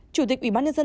chủ tịch ubnd tp hcm